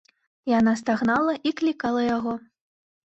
Яна стагнала і клікала яго.